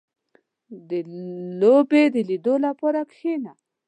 • د لوبې د لیدو لپاره کښېنه.